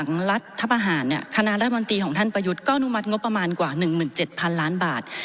รัฐประหารเนี่ยคณะรัฐมนตรีของท่านประยุทธ์ก็อนุมัติงบประมาณกว่า๑๗๐๐ล้านบาท